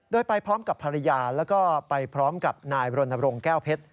โดยไปพร้อมกับภรรยาแล้วก็ไปพร้อมกับนายบรณรงค์แก้วเพชร